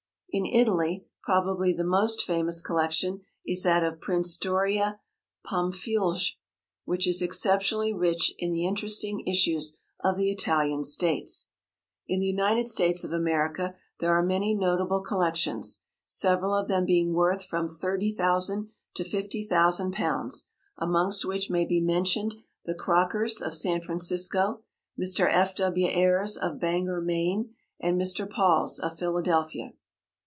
In Italy probably the most famous collection is that of Prince Doria Pamphilj, which is exceptionally rich in the interesting issues of the Italian States. In the United States of America there are many notable collections, several of them being worth from £30,000 to £50,000, amongst which may be mentioned the Crockers', of San Francisco, Mr. F. W. Ayer's, of Bangor, Maine, and Mr. Paul's, of Philadelphia.